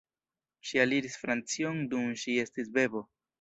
Ŝi aliris Francion dum ŝi estis bebo.